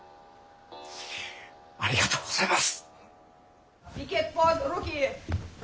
ありがとうございます！